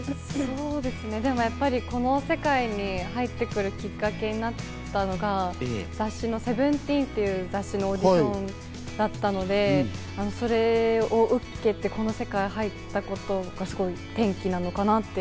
やっぱりこの世界に入ってくるきっかけになったのが、雑誌の『Ｓｅｖｅｎｔｅｅｎ』っていうオーディションだったので、それを受けて、この世界に入ったことがすごい転機なのかなって。